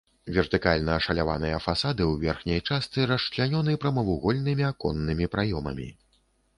Вертыкальна ашаляваныя фасады ў верхняй частцы расчлянёны прамавугольнымі аконнымі праёмамі.